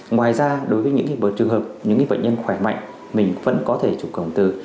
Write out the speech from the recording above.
ngoài ra đối với những bệnh nhân khỏe mạnh mình vẫn có thể trục cộng hồn từ